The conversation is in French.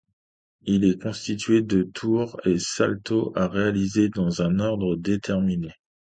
Ils sont constitués de Tour et Salto à réaliser dans un ordre déterminé.